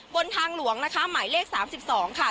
บนทางหลวงนะคะหมายเลข๓๒ค่ะ